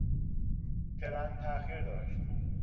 ترن تاخیر داشت.